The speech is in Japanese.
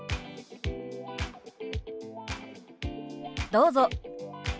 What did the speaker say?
どうぞ。